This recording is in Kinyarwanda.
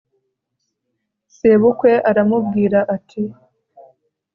sebukwe aramubwira ati